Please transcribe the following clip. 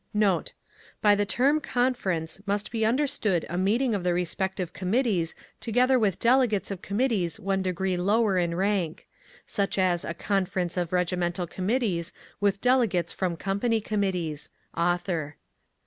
Note.—By the term "conference" must be understood a meeting of the respective Committees together with delegates of committees one degree lower in rank. (Such as a "conference" of Regimental Committees with delegates from Company Committees.—Author.)